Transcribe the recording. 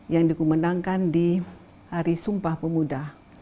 yang dikumenangkan di hari sumpah pemuda